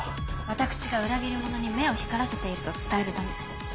私が裏切り者に目を光らせていると伝えるため。